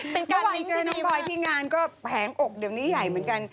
ระหว่างเจอน้องบอยที่งานก็แผงอกเดี๋ยวนี้ใหญ่เหมือนกัน